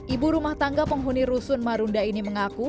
ibu rumah tangga penghuni rusun marunda ini mengaku